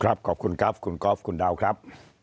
ครับขอบคุณครับคุณกรอฟคุณดาวครับ